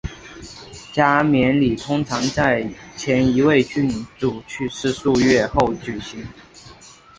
加冕礼通常在前一位君主去世数月后举行。